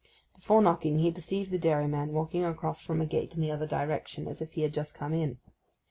Before knocking, he perceived the dairyman walking across from a gate in the other direction, as if he had just come in.